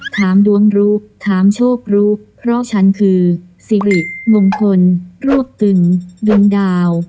ถามดวงรู้ถามโชครู้เพราะฉันคือสิริมงคลรวบตึงดวงดาว